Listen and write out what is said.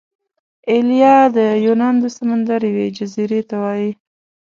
ایلیا د یونان د سمندر یوې جزیرې ته وايي.